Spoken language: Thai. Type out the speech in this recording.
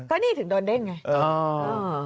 ก็นี่ถึงโดนเด้งไง